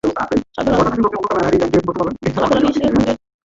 সাধারণত এশিয়ান টুরের নির্দিষ্ট ওয়েবসাইটে অনেক আগেই দেওয়া থাকে সারা বছরের খেলার সূচি।